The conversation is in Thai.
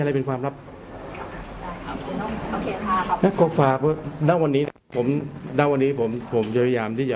แล้วก็กรรมหลายชื่อแต่ด้วย